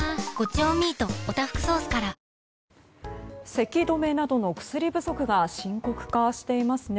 せき止めなどの薬不足が深刻化していますね。